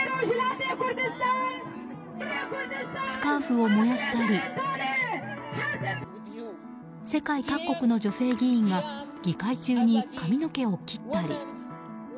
スカーフを燃やしたり世界各国の女性議員が議会中に髪の毛を切ったり。